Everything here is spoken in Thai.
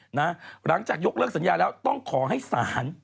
หลังจากยกเลิกสัญญาแล้วต้องขอให้ศาล